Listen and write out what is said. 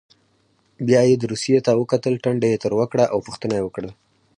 بیا یې دوسیې ته وکتل ټنډه یې تروه کړه او پوښتنه یې وکړه.